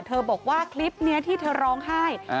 บอกว่าคลิปนี้ที่เธอร้องไห้